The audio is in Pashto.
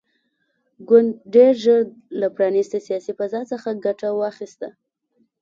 ګوند ډېر ژر له پرانیستې سیاسي فضا څخه ګټه واخیسته.